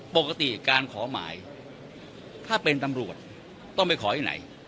ปกติการขอหมายถ้าเป็นตำรวจต้องไปขอที่ไหน